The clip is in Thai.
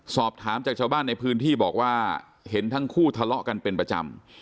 สอบถามจากชาวบ้านในพื้นที่บอกว่าเห็นทั้งคู่ทะเลาะกันเป็นประจำ